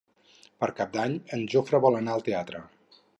Per Cap d'Any en Jofre vol anar al teatre.